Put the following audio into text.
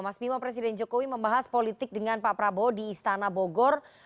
mas bima presiden jokowi membahas politik dengan pak prabowo di istana bogor